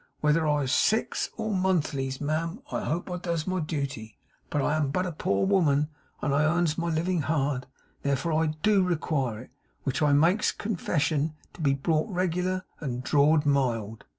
Whether I sicks or monthlies, ma'am, I hope I does my duty, but I am but a poor woman, and I earns my living hard; therefore I DO require it, which I makes confession, to be brought reg'lar and draw'd mild."